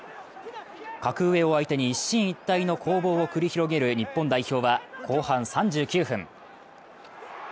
格上を相手に一進一退の攻防を繰り広げる日本代表は、後半３９分。